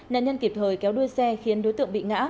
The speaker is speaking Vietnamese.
đối tượng kịp thời kéo đuôi xe khiến đối tượng bị ngã